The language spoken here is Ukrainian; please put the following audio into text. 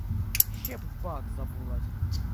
Ще б пак забулась!